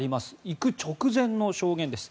行く直前の証言です。